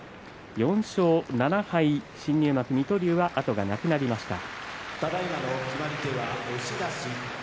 ４勝７敗、新入幕水戸龍は後がなくなりました。